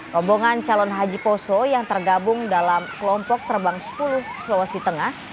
rombongan calon haji poso yang tergabung dalam kelompok terbang sepuluh sulawesi tengah